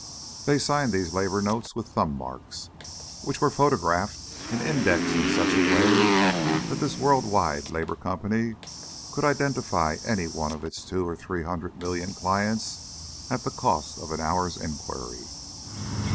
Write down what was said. They signed these labour notes with thumb marks, which were photographed and indexed in such a way that this world wide Labour Company could identify any one of its two or three hundred million clients at the cost of an hour's inquiry.